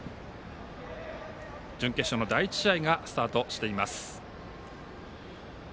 準決勝の第１試合がスタートしています。